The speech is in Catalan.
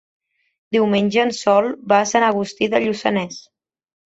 Diumenge en Sol va a Sant Agustí de Lluçanès.